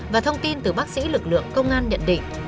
và thông tin từ bác sĩ lực lượng công an nhận định